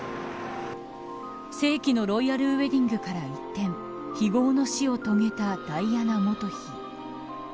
世紀のロイヤルウェディングから一転非業の死を遂げたダイアナ元妃。